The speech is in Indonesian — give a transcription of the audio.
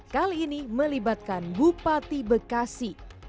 kali ini melibatkan bupati bekasi